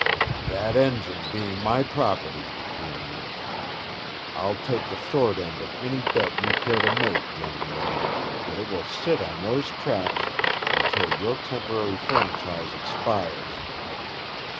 "That engine being my property," he announced, "I'll take the short end of any bet you care to make, young man, that it will sit on those tracks until your temporary franchise expires.